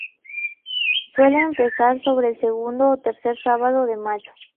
Suele empezar sobre el segundo ó tercer sábado de mayo.